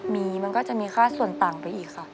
มีมันก็จะมีค่าส่วนต่างไปอีกค่ะ